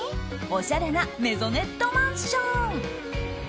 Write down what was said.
おしゃれなメゾネットマンション。